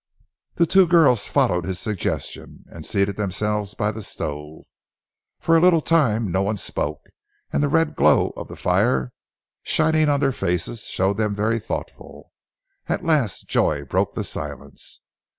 The two girls followed his suggestion and seated themselves by the stove. For a little time no one spoke, and the red glow of the fire shining on their faces showed them very thoughtful. At last, Joy broke the silence.